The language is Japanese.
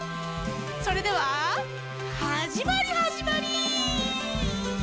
それでははじまりはじまり。